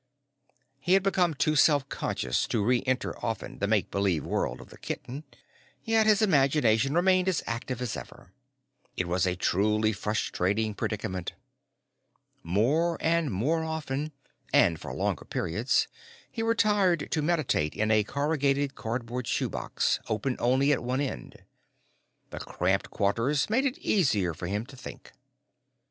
He had become too self conscious to re enter often the make believe world of the kitten, yet his imagination remained as active as ever. It was a truly frustrating predicament. More and more often and for longer periods he retired to meditate in a corrugated cardboard shoebox, open only at one end. The cramped quarters made it easier for him to think.